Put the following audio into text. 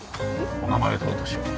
お名前とお年を。